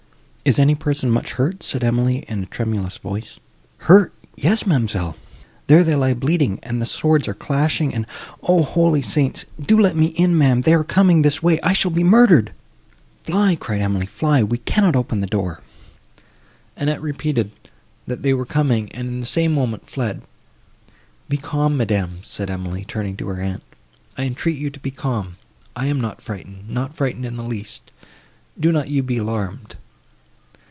"Is any person much hurt?" said Emily, in a tremulous voice. "Hurt! Yes, ma'amselle,—there they lie bleeding, and the swords are clashing, and—O holy saints! Do let me in, ma'am, they are coming this way—I shall be murdered!" "Fly!" cried Emily, "fly! we cannot open the door." Annette repeated, that they were coming, and in the same moment fled. "Be calm, madam," said Emily, turning to her aunt, "I entreat you to be calm, I am not frightened—not frightened in the least, do not you be alarmed."